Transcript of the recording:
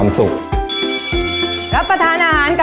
และวันนี้โรงเรียนไทรรัฐวิทยา๖๐จังหวัดพิจิตรครับ